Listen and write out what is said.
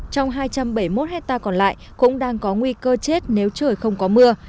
trong hai trăm bảy mươi một hectare còn lại cũng đang có nguy cơ chết nếu trời không có mưa